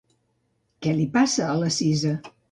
Què li passava a la Cisa?